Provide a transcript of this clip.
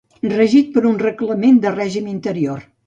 Regit per un Reglament de Règim Interior.